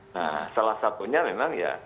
nah salah satunya memang ya